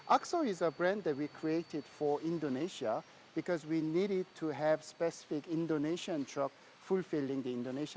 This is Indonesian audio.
axo adalah perusahaan yang kami buat untuk indonesia karena kami membutuhkan mobil indonesia yang spesifik untuk memenuhi permintaan pelanggan indonesia